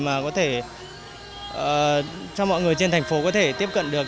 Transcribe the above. mà có thể cho mọi người trên thành phố có thể tiếp cận được